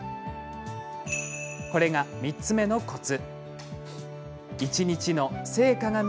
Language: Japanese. これが３つ目のコツ。